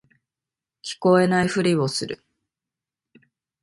聞こえないふりをする